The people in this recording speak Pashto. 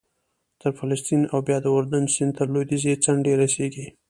تر فلسطین او بیا د اردن سیند تر لوېدیځې څنډې رسېږي